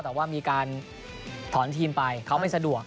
แต่ว่ามีการถอนทีมไปเขาไม่สะดวก